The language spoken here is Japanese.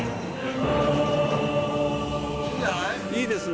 いいですね。